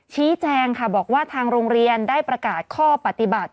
ชี้แจงค่ะบอกว่าทางโรงเรียนได้ประกาศข้อปฏิบัติ